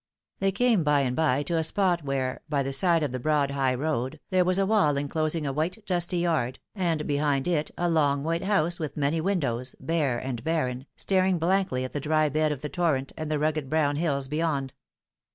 They came by and by to a spot where, by the side of the broad high road, there was a wall enclosing a white dusty yard, and behind it a long white house with many windows, bare and barren, staring blankly at the dry bed of the torrent and the rugged brown hills beyond.